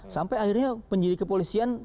sampai akhirnya penyidik kepolisian